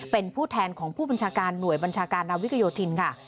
เป็นผู้แทนของผู้บัญชาการหน่วยบัญชาการนาวิกโยธินค่ะ